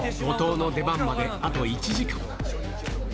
後藤の出番まであと１時間。